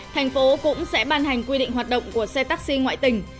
thành phố cũng sẽ ban hành quy định hoạt động của xe taxi ngoại tỉnh